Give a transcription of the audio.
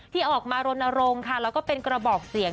ที่ออกมารณรงค์ค่ะแล้วก็เป็นกระบอกเสียง